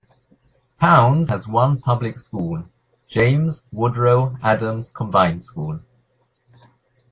Pound has one public school: James Woodrow Adams Combined School.